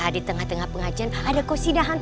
di tengah tengah pengajian ada kursi dahan